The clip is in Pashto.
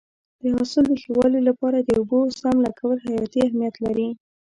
د حاصل د ښه والي لپاره د اوبو سم لګول حیاتي اهمیت لري.